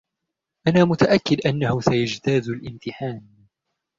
أنا متأكد أنّه سيجتاز الامتحان.